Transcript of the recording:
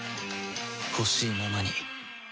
ほしいままに